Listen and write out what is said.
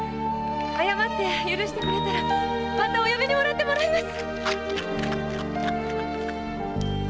謝って許してくれたらまたお嫁にもらってもらいます！